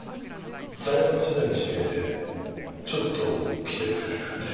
大学時代の知り合いでちょっと来てくれないかって。